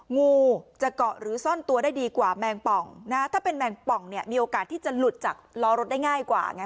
งูจะเกาะหรือซ่อนตัวได้ดีกว่าแมงป่องนะถ้าเป็นแมงป่องเนี่ยมีโอกาสที่จะหลุดจากล้อรถได้ง่ายกว่าไง